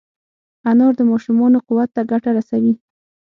انار د ماشومانو قوت ته ګټه رسوي.